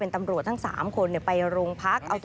มีตำรวจสายตรวจ